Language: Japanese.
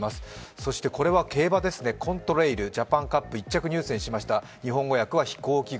そしてこれは競馬ですね、コントレイル、ジャパンカップ１着、日本語訳は飛行機雲。